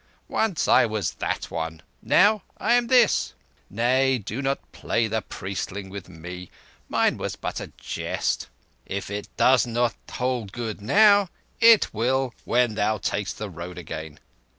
Once I was that one, and now I am this. Nay—do not play the priestling with me. Mine was but a jest. If it does not hold good now, it will when thou takest the road again.